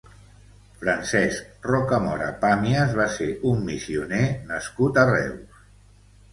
Francesc Rocamora Pàmies va ser un missioner nascut a Reus.